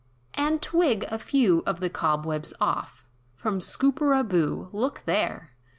"And twig a few of the cobwebs off, From Scooperaboo, look there!